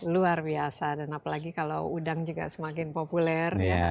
luar biasa dan apalagi kalau udang juga semakin populer